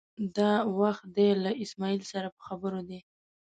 دا وخت دی له اسمعیل سره په خبرو دی.